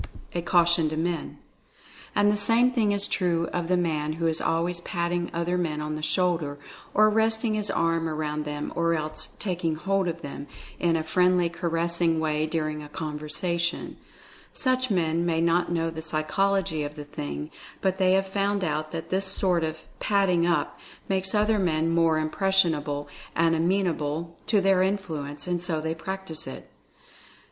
A CAUTION TO MEN. And the same thing is true of the man who is always patting other men on the shoulder, or resting his arm around them, or else "taking hold of them" in a friendly caressing way during a conversation. Such men may not know the psychology of the thing, but 242 Mental Fascination they have found out that this sort of "patting up" makes other men more impressible, and amenable to their influence, and so they practice it.